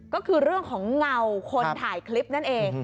ก็คือเรื่องของเงาคนถ่ายคลิปนั่นเอง